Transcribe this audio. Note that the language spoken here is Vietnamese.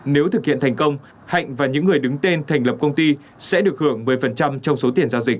nếu thực hiện thành công hạnh và những người đứng tên thành lập công ty sẽ được hưởng một mươi trong số tiền giao dịch